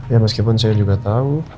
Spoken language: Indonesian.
ya meskipun saya juga tahu